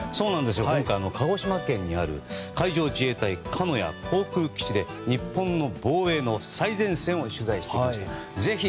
今回、鹿児島県にある海上自衛隊鹿屋航空基地で日本の防衛の最前線を取材してきました。